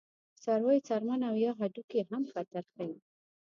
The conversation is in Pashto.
د څارویو څرمن او یا هډوکي هم خطر ښيي.